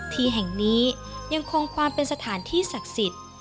ที่แห่งนี้ยังคงความเป็นสถานที่ศักดิ์สิทธิ์